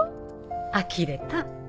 あきれた。